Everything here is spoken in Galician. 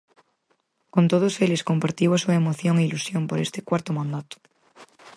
Con todos eles compartiu a súa emoción e ilusión por este cuarto mandato.